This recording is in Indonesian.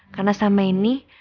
karena sama ini